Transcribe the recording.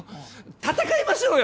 戦いましょうよ